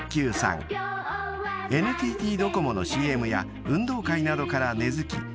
［ＮＴＴドコモのＣＭや運動会などから根付き